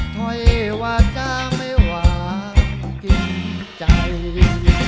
ถ้อยวาจาไม่หวานกินใจ